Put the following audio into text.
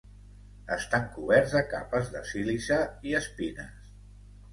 Estan coberts de capes de sílice i espines.